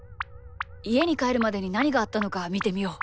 いえにかえるまでになにがあったのかみてみよう。